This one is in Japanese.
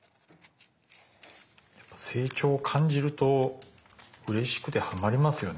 やっぱ成長を感じるとうれしくてハマりますよね。